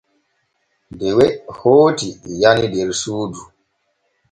Dewe hooti nyani der suudu.